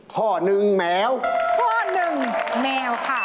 ข้อนึงแมวค่ะ